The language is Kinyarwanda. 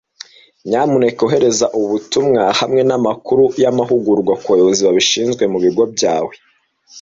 Nyamuneka ohereza ubu butumwa hamwe namakuru y amahugurwa kubayobozi babishinzwe mubigo byawe.